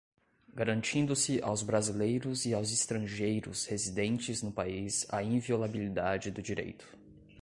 garantindo-se aos brasileiros e aos estrangeiros residentes no país a inviolabilidade do direito